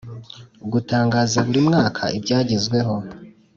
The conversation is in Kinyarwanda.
gutangaza buri mwaka ibyagezweho